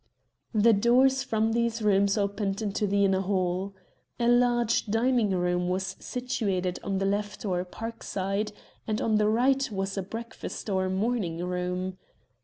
The doors from these rooms opened into the inner hall. A large dining room was situated on the left or Park side, and on the right was a breakfast or morning room.